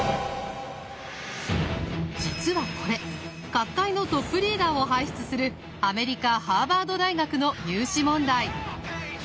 実はこれ各界のトップリーダーを輩出するアメリカ・ハーバード大学の入試問題。